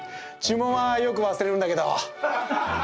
注文はよく忘れるんだけど。